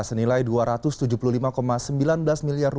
senilai rp dua ratus tujuh puluh lima sembilan belas miliar